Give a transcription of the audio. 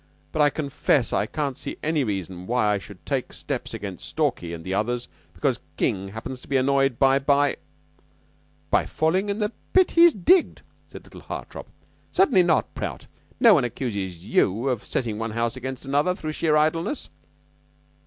But I confess I can't see any reason why I should take steps against Stalky and the others because King happens to be annoyed by by " "Falling into the pit he has digged," said little Hartopp. "Certainly not, Prout. No one accuses you of setting one house against another through sheer idleness."